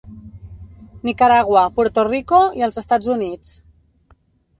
Nicaragua, Puerto Rico i els Estats Units.